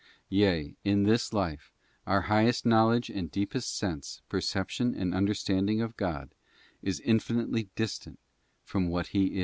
Yea, in this life, our highest knowledge and deepest sense, perception, and understanding of God is infinitely distant from what He